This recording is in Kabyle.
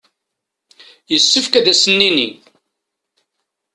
Yessefk ad sen-nini.